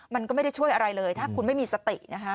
มันก็ไม่ได้ช่วยอะไรเลยถ้าคุณไม่มีสตินะคะ